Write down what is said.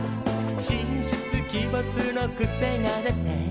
「神出鬼没のクセが出て」